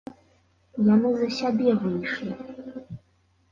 Яны за сябе выйшлі!